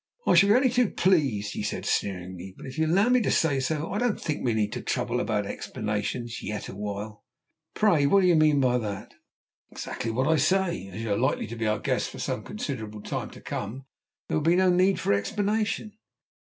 "I shall be only too pleased," he said sneeringly, "but if you'll allow me to say so, I don't think we need trouble about explanations yet awhile." "Pray, what do you mean by that?" "Exactly what I say; as you are likely to be our guests for some considerable time to come, there will be no need for explanation."